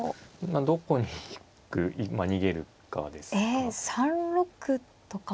どこに引くまあ逃げるかですか。